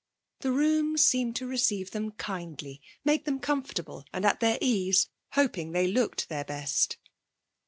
The room seemed to receive them kindly; make them comfortable, and at their ease, hoping they looked their best.